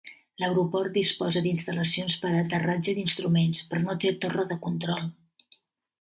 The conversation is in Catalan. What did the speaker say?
L'aeroport disposa d'instal·lacions per a aterratge d'instruments, però no té Torre de control.